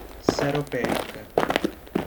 Seropédica